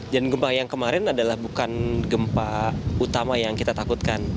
dan gempa yang kemarin adalah bukan gempa utama yang kita takutkan